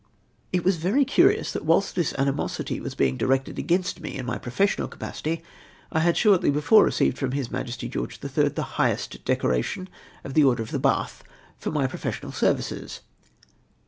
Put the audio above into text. It was very curious that whilst this animosity was being dii ected against me in my professional capacity, I had shortly before received from His Majesty George the Third the hio hest decoration of the order of the o Bath for my professional services